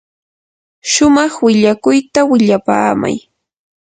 shumaq willakuyta willapaamay.